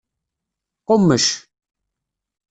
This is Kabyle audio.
Qummec.